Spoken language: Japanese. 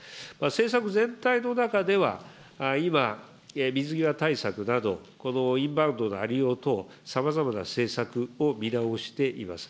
政策全体の中では、今、水際対策など、このインバウンドの在りよう等、さまざまな政策を見直しています。